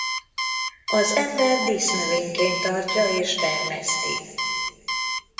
Az ember dísznövényként tartja és termeszti.